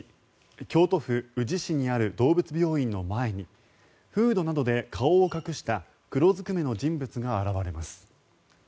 京都府宇治市にある動物病院の前にフードなどで顔を隠した黒ずくめの人物が現れます。